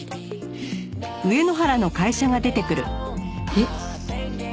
えっ？